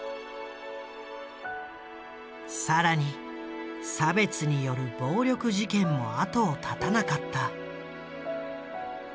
更に差別による暴力事件も後を絶たなかった。